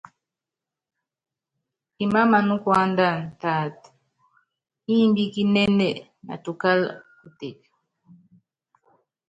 Imáámaná kuándana, taata, imbíkínéné natukála kuteke.